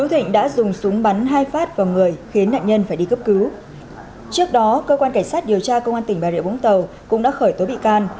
trước đó cơ quan cảnh sát điều tra công an tỉnh bà rịa vũng tàu cũng đã khởi tố bị can